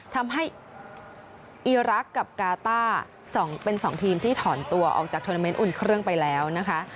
ทำให้อีรักษ์กับกาต้าเป็น๒ทีมที่ถอนตัวออกจากทวนาเมนต์อุ่นเครื่องไปแล้วนะคะ